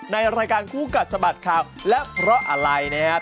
ในรายการคู่กัดสะบัดข่าวและเพราะอะไรนะครับ